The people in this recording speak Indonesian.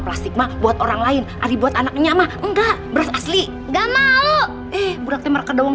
plastik buat orang lain adi buat anaknya enggak beras asli enggak mau eh berarti mereka doang